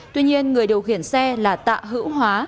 tuy nhiên người điều khiển xe là tạ hữu hóa